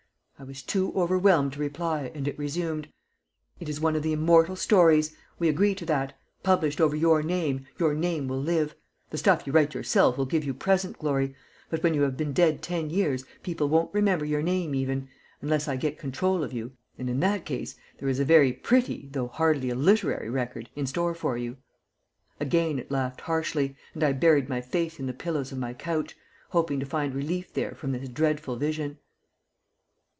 I was too overwhelmed to reply, and it resumed: "It is one of the immortal stories. We agree to that. Published over your name, your name will live. The stuff you write yourself will give you present glory; but when you have been dead ten years people won't remember your name even unless I get control of you, and in that case there is a very pretty though hardly a literary record in store for you." Again it laughed harshly, and I buried my face in the pillows of my couch, hoping to find relief there from this dreadful vision.